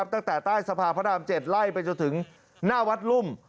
ตั้งแต่ใต้สะพานพระราม๗ไล่ไปจนถึงหน้าวัดรุ่ม